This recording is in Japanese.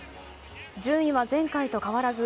順位は前回と変わらず、